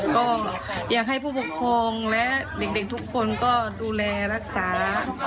ก็อยากให้ผู้ปกครองและเด็กทุกคนก็ดูแลรักษา